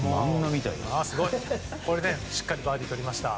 しっかりバーディーとりました。